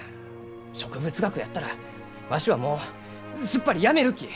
植物学やったらわしはもうすっぱりやめるき！